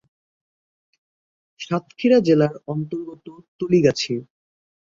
সাতক্ষীরা জেলার অন্তর্গত তলিগাছি।